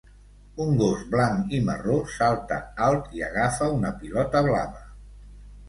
Un gos blanc i marró salta alt i agafa una pilota blava.